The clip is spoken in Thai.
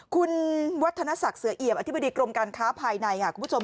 คุณวัฒนศักดิ์เสือเอี่ยมอธิบดีกรมการค้าภายในค่ะคุณผู้ชม